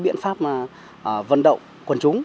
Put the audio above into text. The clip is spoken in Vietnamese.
biện pháp vận động quần chúng